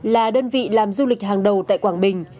là đơn vị làm du lịch hàng đầu tại quảng bình